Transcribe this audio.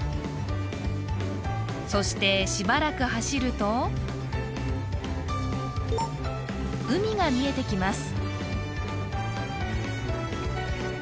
そしてしばらく走ると海が見えてきます